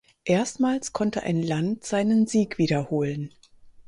Erstmals konnte ein Land seinen Sieg wiederholen.